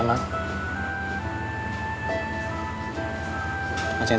agak kece mak